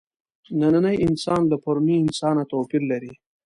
نننی انسان له پروني انسانه توپیر لري.